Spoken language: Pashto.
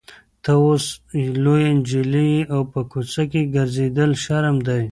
ته اوس لویه نجلۍ یې او په کوڅه کې ګرځېدل شرم دی.